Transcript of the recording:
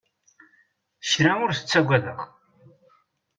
Kra ur tettagadeɣ.